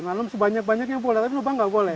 nanam sebanyak banyaknya boleh tapi lubang nggak boleh